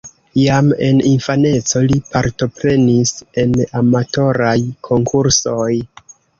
Jam en infaneco li partoprenis en amatoraj konkursoj.